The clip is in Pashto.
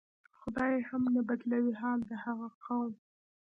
"خدای هم نه بدلوي حال د هغه قوم".